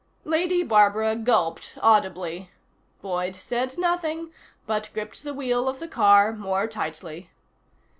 Lady Barbara gulped audibly. Boyd said nothing, but gripped the wheel of the car more tightly.